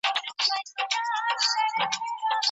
د درملو ملي شرکتونه کوم دي؟